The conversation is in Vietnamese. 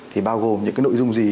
thì bao gồm những cái nội dung gì